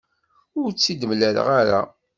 Ur tt-id-mlaleɣ ara.